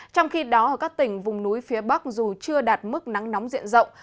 trong khi đó ở các tỉnh vùng núi phía bắc dù chưa đạt mức nắng nóng diện rộng